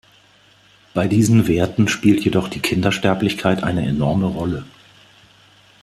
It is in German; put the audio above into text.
Bei diesen Werten spielt jedoch die Kindersterblichkeit eine enorme Rolle.